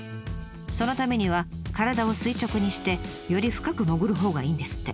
そのためには体を垂直にしてより深く潜るほうがいいんですって。